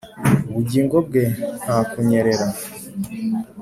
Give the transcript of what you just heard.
ubugingo bwe nta kunyerera -